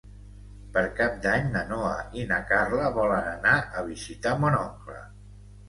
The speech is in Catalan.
Per Cap d'Any na Noa i na Carla volen anar a visitar mon oncle.